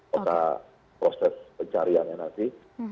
soal proses pencariannya nanti